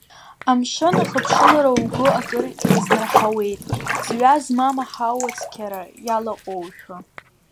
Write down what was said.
Амшын ахыԥшылара угәы акыр иазнарҳауеит, ҵҩа змам аҳауа цқьара иалаҟоушәа…